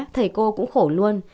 thầy cô cũng khổ luôn